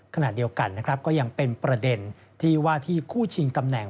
ขณะเดียวกันนะครับก็ยังเป็นประเด็นที่ว่าที่คู่ชิงตำแหน่ง